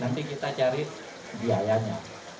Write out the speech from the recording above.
nanti kita cari biayanya